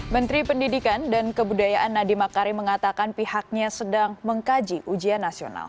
menteri pendidikan dan kebudayaan nadiem akari mengatakan pihaknya sedang mengkaji ujian nasional